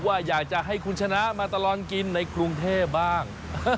อยากจะให้คุณชนะมาตลอดกินในกรุงเทพบ้าง